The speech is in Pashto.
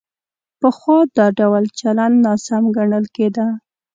پخوا دا ډول چلند ناسم ګڼل کېده.